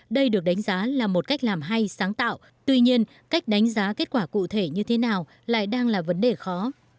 đây được đánh giá là một cách làm hay sáng tạo tuy nhiên cách đánh giá kết quả cụ thể như thế nào lại đang là vấn đề khó